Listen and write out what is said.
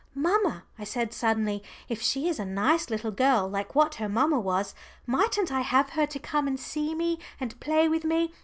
"Mamma," I said suddenly, "if she is a nice little girl like what her mamma was, mightn't I have her to come and see me and play with me?